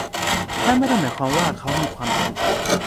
นั่นไม่ได้หมายความว่าเขามีความผิด